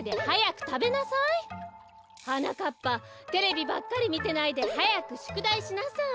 はなかっぱテレビばっかりみてないではやくしゅくだいしなさい。